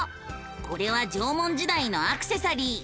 これは縄文時代のアクセサリー。